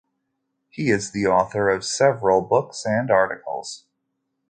He is the author of several books and articles.